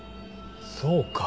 そうか。